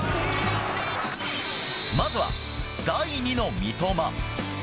まずは、第２の三笘。